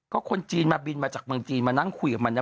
ก็คนจีนมาบินมาจากเมืองจีนมานั่งคุยกับมันนะ